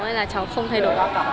nên là cháu không thay đổi